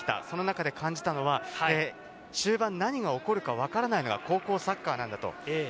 コロナ禍で感じたのは、終盤、何が起こるか分からないのが高校サッカーなんだ。